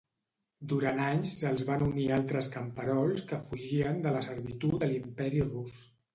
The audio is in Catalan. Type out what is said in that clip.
Durant anys se'ls van unir altres camperols que fugien de la servitud a l'Imperi rus.